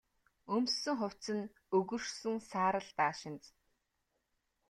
Өмссөн хувцас нь өгөршсөн саарал даашинз.